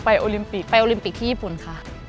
ไปโอลิมปิกที่ญี่ปุ่นค่ะ